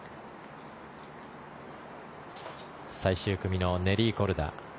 最終組のネリー・コルダ。